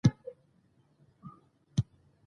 زه په خپل کور کې يم